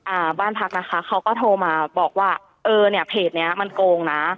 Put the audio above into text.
อ่าบ้านพักนะคะเขาก็โทรมาบอกว่าเออเนี้ยเพจเนี้ยมันโกงนะ